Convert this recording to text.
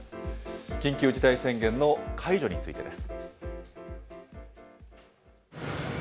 緊急事態宣言の解除についてです。